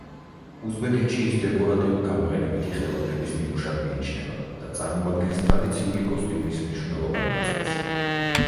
უზბეკეთში ის დეკორატიულ-გამოყენებითი ხელოვნების ნიმუშად მიიჩნევა და წარმოადგენს ტრადიციული კოსტიუმის მნიშვნელოვან ნაწილს.